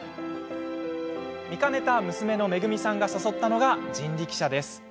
見かねた娘のめぐみさんが誘ったのが人力車です。